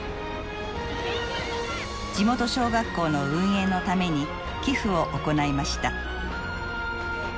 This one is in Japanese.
地元小学校の運営のために寄付を行いました。